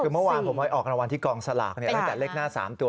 รางวัลที่กองสลักเนี่ยตั้งแต่เลขหน้า๓ตัว